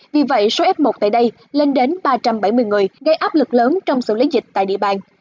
vì vậy số f một tại đây lên đến ba trăm bảy mươi người gây áp lực lớn trong xử lý dịch tại địa bàn